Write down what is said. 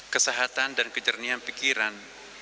kesehatan dan kejernihan pikiran